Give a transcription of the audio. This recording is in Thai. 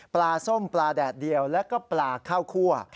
ส้มปลาแดดเดียวแล้วก็ปลาข้าวคั่ว